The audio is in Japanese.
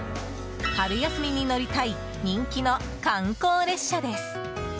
春休みに乗りたい人気の観光列車です。